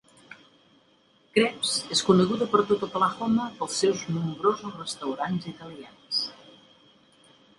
Krebs és coneguda per tot Oklahoma pels seus nombrosos restaurants italians.